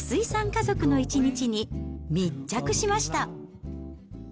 家族の一日に密着しました。